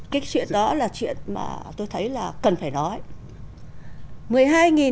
cái chuyện đó là chuyện mà tôi thấy là cần phải nói